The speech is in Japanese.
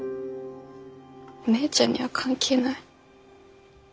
お姉ちゃんには関係ない。